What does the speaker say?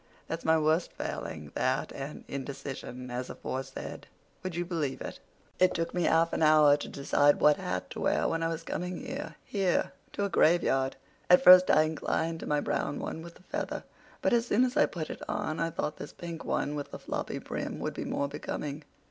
That's my worst failing—that, and indecision, as aforesaid. Would you believe it?—it took me half an hour to decide which hat to wear when I was coming here—here, to a graveyard! At first I inclined to my brown one with the feather; but as soon as I put it on I thought this pink one with the floppy brim would be more becoming.